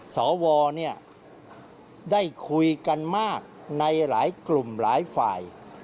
สวได้คุยกันมากในหลายกลุ่มหลายฝ่าย